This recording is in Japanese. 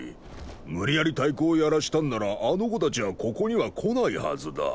無理やり太鼓をやらしたんならあの子たちはここには来ないはずだ。